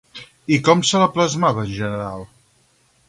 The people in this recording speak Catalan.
I com se la plasmava en general?